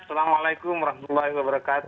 assalamualaikum wr wb